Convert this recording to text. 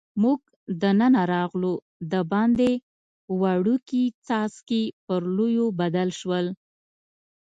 موږ دننه راغلو، دباندې وړوکي څاڅکي پر لویو بدل شول.